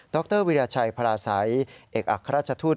รวิราชัยพราศัยเอกอัครราชทูต